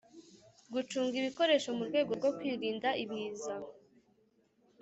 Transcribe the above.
gucunga ibikoresho mu rwego rwo kwirinda Ibiza